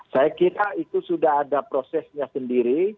saya kira itu sudah ada prosesnya sendiri